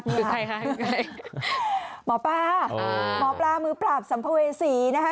ครับเปล่าฮะมปลามือปราบสัมภเวศีนะฮะ